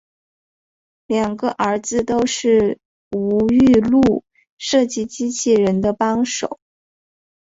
两个儿子都是吴玉禄设计机器人的帮手。